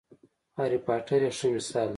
هرې پاټر یې ښه مثال دی.